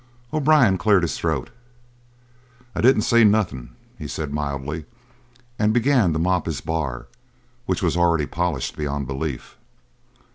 O'Brien cleared his throat. "I didn't see nothin'," he said mildly, and began to mop his bar, which was already polished beyond belief.